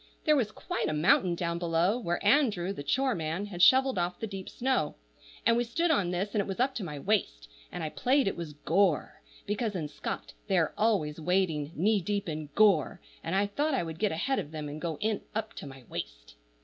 There was quite a mountain down below, where Andrew, the chore man, had shovelled off the deep snow; and we stood on this, and it was up to my waist, and I played it was gore, because in Scott they are always wading knee deep in gore, and I thought I would get ahead of them and go in up to my waist.